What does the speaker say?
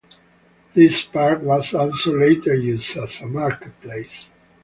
This park was also later used as a marketplace.